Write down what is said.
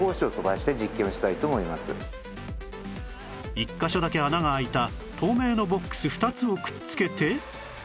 １カ所だけ穴が開いた透明のボックス２つをくっつけて